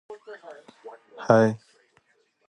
It is located southwest of Bordeaux on the Garonne river.